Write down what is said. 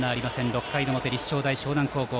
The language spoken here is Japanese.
６回の表、立正大淞南高校。